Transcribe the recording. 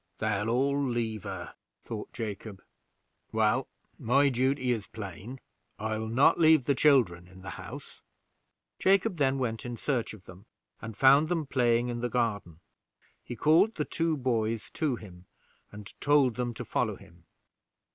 "They'll all leave her," thought Jacob; "well, my duty is plain; I'll not leave the children in the house." Jacob then went in search of them, and found them playing in the garden. He called the two boys to him, and told them to follow him.